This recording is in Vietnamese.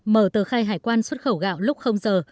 mở tờ khai hải quan xuất khẩu gạo lúc giờ